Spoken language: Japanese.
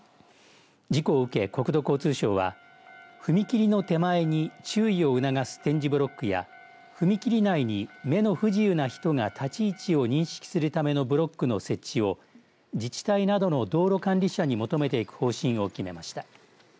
事故を受け、国土交通省は踏切の手前に注意を促す点字ブロックや踏切内に目の不自由な人が立ち位置を認識するためのブロックの設置を自治体などの道路管理者に求めていく方針を決めました。